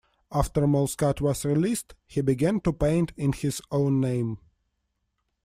After Malskat was released, he began to paint in his own name.